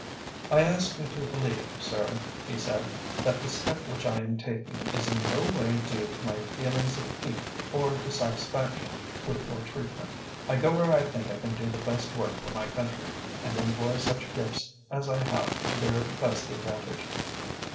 "I ask you to believe, sir," he said, "that the step which I am taking is in no way due to my feeling of pique or dissatisfaction with your treatment. I go where I think I can do the best work for my country and employ such gifts as I have to their best advantage."